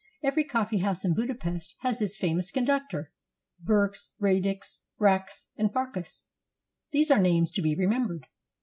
Every coffee house in Budapest has its famous conductor. Berkes, Radics, Racz, and Farkas. These are names to be remembered.